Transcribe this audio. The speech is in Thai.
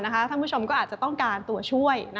ท่านผู้ชมก็อาจจะต้องการตัวช่วย